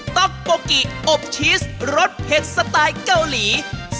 ต๊อกโปกินอบชีสรสเผ็ดสไตล์เกาหลี